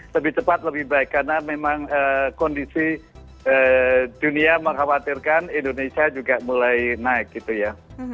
lebih cepat lebih baik karena memang kondisi dunia mengkhawatirkan indonesia juga mulai naik gitu ya